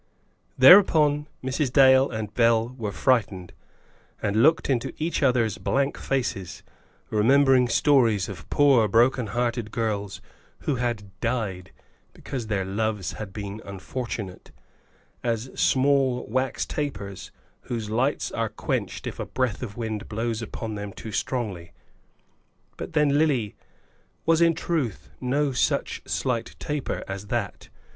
Thereupon Mrs. Dale and Bell were frightened, and looked into each other's blank faces, remembering stories of poor broken hearted girls who had died because their loves had been unfortunate, as small wax tapers whose lights are quenched if a breath of wind blows upon them too strongly. But then Lily was in truth no such slight taper as that.